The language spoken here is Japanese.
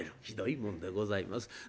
ひどいもんでございます。